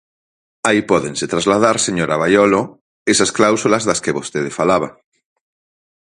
Aí pódense trasladar, señora Baiolo, esas cláusulas das que vostede falaba.